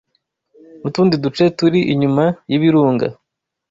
n’utundi duce turi inyuma y’ibirunga